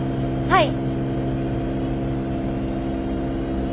はい！